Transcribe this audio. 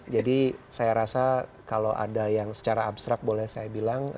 jadi saya rasa kalau ada yang secara abstrak boleh saya bilang